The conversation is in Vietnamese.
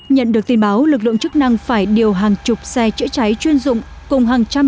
nhận được tin báo lực lượng chức năng phải điều hàng chục xe chữa cháy chuyên dụng cùng hàng trăm